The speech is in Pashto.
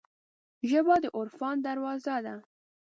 ژبه د عرفان دروازه ده